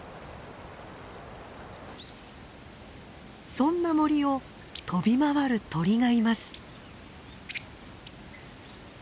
そんな森を飛び回る鳥がいます。